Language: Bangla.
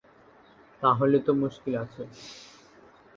তাহলে তো মুশকিল আছে।